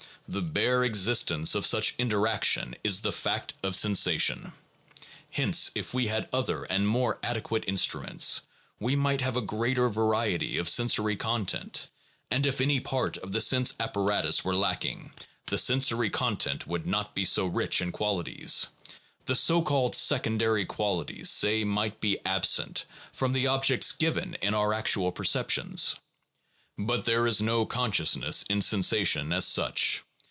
The bare existence of such interaction is the fact of sensation. Hence if we had other and more adequate instruments, we might have a greater variety of sensory content, and if any part of the sense apparatus were lacking, the sensory content would not be so rich in qualities: the so called secondary qualities, say, might be absent from the objects given in our actual perceptions. But there is no con sciousness in sensation as such.